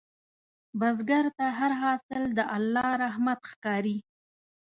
بزګر ته هر حاصل د الله رحمت ښکاري